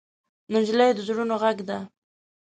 نجلۍ د زړونو غږ ده.